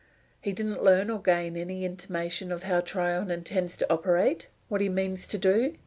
"He didn't learn or gain any intimation of how Tryon intends to operate what he means to do?"